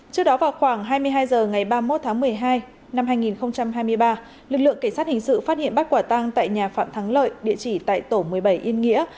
trước đó vào khoảng hai mươi hai h ngày ba mươi một tháng một mươi hai năm hai nghìn hai mươi ba lực lượng cảnh sát hình sự phát hiện bắt quả tăng tại nhà phạm thắng lợi địa chỉ tại tổ một mươi bảy yên nghĩa